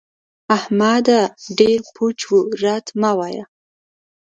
احمده! ډېر پوچ و رد مه وايه.